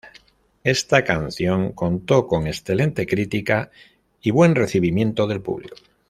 Esta canción contó con excelente critica y buen recibimiento del público.